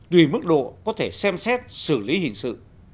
tùy mức độ có thể xem xét xử lý hình sự